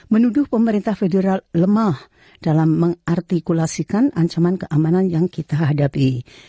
menuduh pemerintah federal lemah dalam mengartikulasikan ancaman keamanan yang kita hadapi